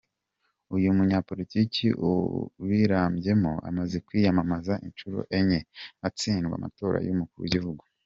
Uyu munyapolitiki ubirambyemo amaze kwiyamamaza inshuro enye atsindwa amatora y’Umukuru w’igihugu.